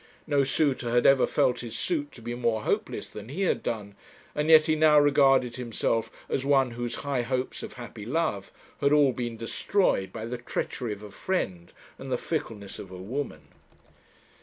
No suitor had ever felt his suit to be more hopeless than he had done; and yet he now regarded himself as one whose high hopes of happy love had all been destroyed by the treachery of a friend and the fickleness of a woman.